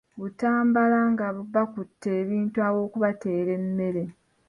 Butambala nga bakutte ebintu awokubateera emmere.